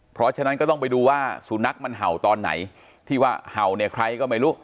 เพราะฉะนั้นก็ต้องไปดูว่าสุนัขมันเห่าตอนไหนที่ว่าเห่าเนี่ยใครก็ไม่รู้